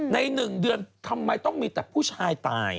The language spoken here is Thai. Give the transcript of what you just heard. ใน๑เดือนทำไมต้องมีแต่ผู้ชายตาย